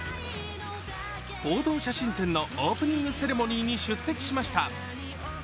報道写真展のオープニングセレモニーに出席しました。